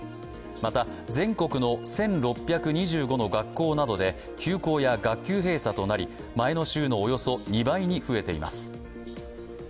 また全国の１６２５の学校などで休校や学級閉鎖となり、前の週のおよそ２倍に増えています。